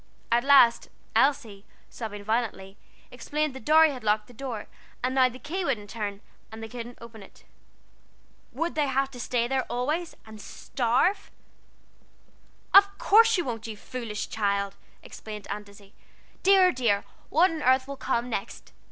At last Elsie, sobbing violently, explained that Dorry had locked the door, and now the key wouldn't turn, and they couldn't open it. Would they have to stay there always, and starve? "Of course you won't, you foolish child," exclaimed Aunt Izzie. "Dear, dear, what on earth will come next?